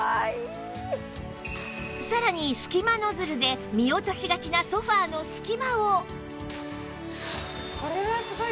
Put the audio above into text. さらに隙間ノズルで見落としがちなソファの隙間を